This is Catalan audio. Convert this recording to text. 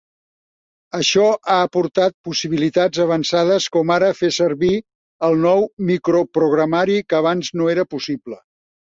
Això ha aportat possibilitats avançades com ara fer servir el nou microprogramari, que abans no era possible.